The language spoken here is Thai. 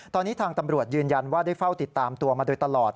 ตอนนี้ทางตำรวจยืนยันว่าได้เฝ้าติดตามตัวมาโดยตลอด